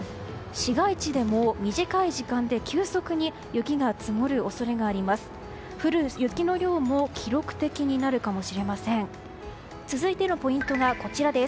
市街地でも短い時間で急速に雪が積もる恐れがあります。